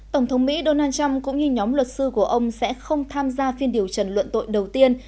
tổng thống mỹ donald trump cũng như nhóm luật sư của ông sẽ không tham gia phiên điều trần luận tội đầu tiên